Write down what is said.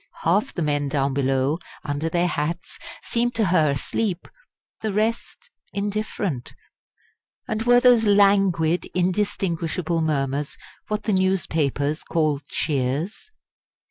Half the men down below, under their hats, seemed to her asleep; the rest indifferent. And were those languid, indistinguishable murmurs what the newspapers call "cheers"?